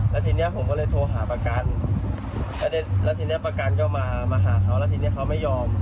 แล้วทีนี้ผมก็เลยโทรหาประกันแล้วทีนี้ประกันก็มามาหาเขาแล้วทีนี้เขาไม่ยอม